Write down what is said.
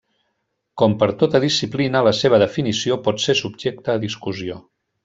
Com per a tota disciplina la seva definició pot ser subjecta a discussió.